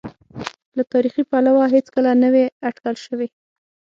له تاریخي پلوه هېڅکله نه وې اټکل شوې.